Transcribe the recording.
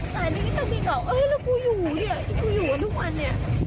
จ่ายนั้นก็ตั้งเมียเก่าเอ้ยแล้วกูอยู่เนี่ยกูอยู่ว่าทุกวันเนี่ย